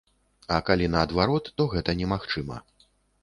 А калі наадварот, то гэта немагчыма.